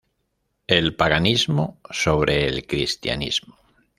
El Paganismo sobre el Cristianismo.